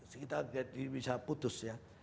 kita bisa putus ya